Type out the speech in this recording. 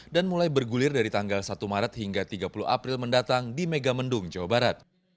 dan mulai bergulir dari tanggal satu maret hingga tiga puluh april mendatang di megamendung jawa barat